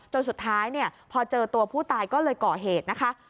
จนสุดท้ายพอเจอตัวผู้ตายก็เลยก่อเหตุนะคะ